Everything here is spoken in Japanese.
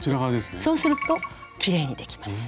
そうするときれいにできます。